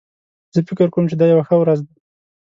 زه فکر کوم چې دا یو ښه ورځ ده